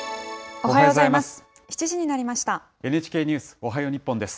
おはようございます。